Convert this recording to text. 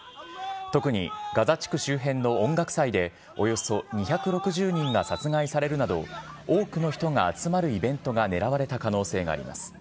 特にガザ地区周辺の音楽祭で、およそ２６０人が殺害されるなど、多くの人が集まるイベントが狙われた可能性があります。